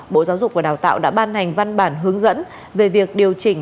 bộ giáo dục và đào tạo đã ban hành văn bản hướng dẫn về việc điều chỉnh